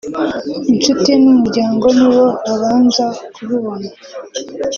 inshuti n’umuryango nibo babanza kubibona